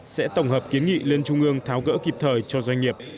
sẽ tổng hợp kiến nghị lên trung ương tháo gỡ kịp thời cho doanh nghiệp